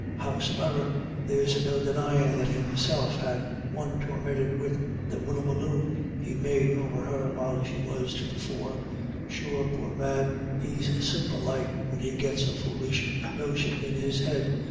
Howsome'er there's no denyin* that Him self had one torminted wid the whillaballoo he made over her while she was to the fore. Sure, poor man, he's simple like, when he gits a foolish notion in his head."